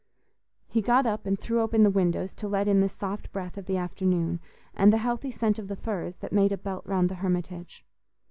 He got up and threw open the windows, to let in the soft breath of the afternoon, and the healthy scent of the firs that made a belt round the Hermitage.